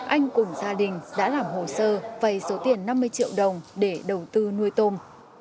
anh cùng gia đình đã làm hồ sơ vây số tiền năm mươi triệu đồng để đầu tư nuôi tôm